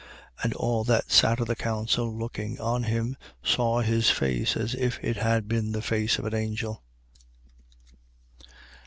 6:15. And all that sat in the council, looking on him, saw his face as if it had been the face of an angel.